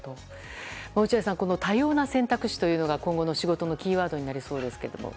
落合さん、多様な選択肢が今後の仕事のキーワードになりそうですが。